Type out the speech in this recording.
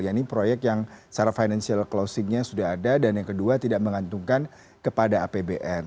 ya ini proyek yang secara financial closingnya sudah ada dan yang kedua tidak mengantungkan kepada apbn